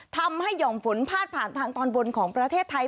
หย่อมฝนพาดผ่านทางตอนบนของประเทศไทย